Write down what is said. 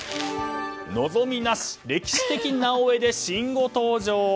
望みなし、歴史的「なおエ」で新語登場。